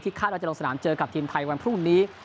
คาดว่าจะลงสนามเจอกับทีมไทยวันพรุ่งนี้